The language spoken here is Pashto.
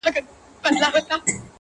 په سپورږمۍ كي زمــــــــــا زړه دى”